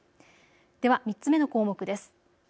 では３つ目の項目です。